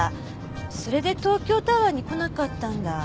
それで東京タワーに来なかったんだ。